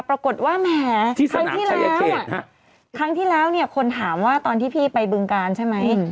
ปรากฏว่าแหมครั้งที่แล้วเนี่ยคนถามว่าตอนที่พี่ไปบึงการใช่ไหม